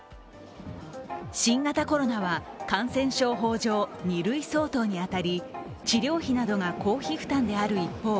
新型コロナは感染症法上２類相当に当たり、治療費などが、公費負担である一方